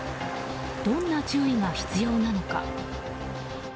どんな注意が必要なのか。